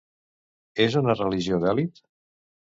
És una religió d'elit?